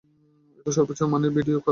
এতে সর্বোচ্চ মানের ভিডিও করা যাবে।